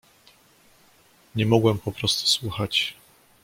"Nie mogłem poprostu słuchać."